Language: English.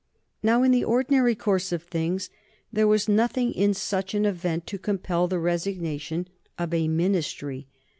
Now in the ordinary course of things there was nothing in such an event to compel the resignation of a Ministry.